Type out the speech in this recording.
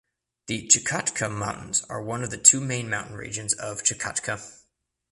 The Chukotka Mountains are one of the two main mountain regions of Chukotka.